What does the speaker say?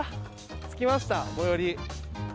着きました最寄り。